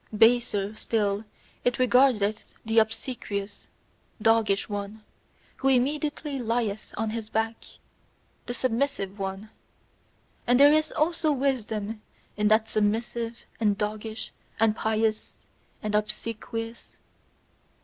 Baser still it regardeth the obsequious, doggish one, who immediately lieth on his back, the submissive one; and there is also wisdom that is submissive, and doggish, and pious, and obsequious.